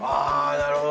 なるほど。